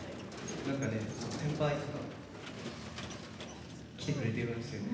なんかね先輩とか来てくれてるんですよね。